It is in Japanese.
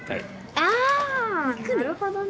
あなるほどね！